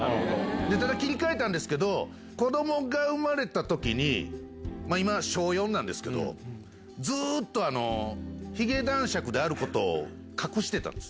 ただ切り替えたんですけど、子どもが生まれたときに、今、小４なんですけど、ずーっと髭男爵であることを隠してたんです。